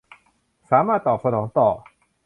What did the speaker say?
สามารถตอบสนองต่อ